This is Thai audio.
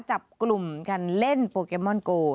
จับกลุ่มกันเล่นโปเกมอนโก